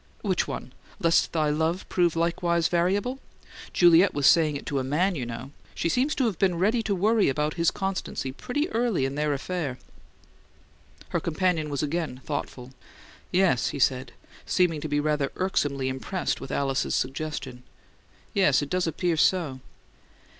"Which one? 'Lest thy love prove likewise variable'? Juliet was saying it to a MAN, you know. She seems to have been ready to worry about his constancy pretty early in their affair!" Her companion was again thoughtful. "Yes," he said, seeming to be rather irksomely impressed with Alice's suggestion. "Yes; it does appear so."